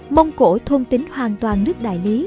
mông cổ thôn tính hoàn toàn nước đại lý